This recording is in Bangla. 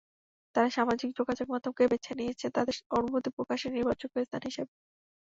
তাঁরা সামাজিক যোগাযোগমাধ্যমকে বেছে নিয়েছেন তাঁদের অনুভূতি প্রকাশের নির্ভরযোগ্য স্থান হিসেবে।